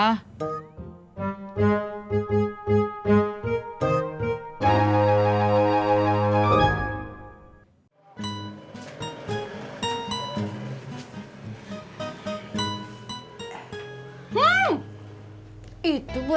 gak ada apa